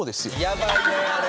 やばいねあれ。